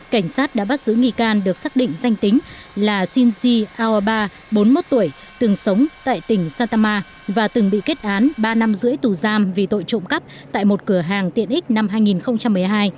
cảnh sát đã bắt giữ nghi can được xác định danh tính là shinzi aoba bốn mươi một tuổi từng sống tại tỉnh santama và từng bị kết án ba năm rưỡi tù giam vì tội trộm cắp tại một cửa hàng tiện ích năm hai nghìn một mươi hai